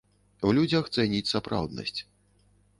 У людзях цэніць сапраўднасць.